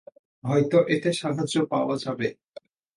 হয়তো এতে সাহায্য পাওয়া যাবে।